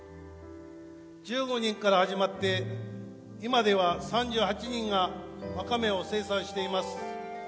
１５人から始まって今では３８人がワカメを生産しています。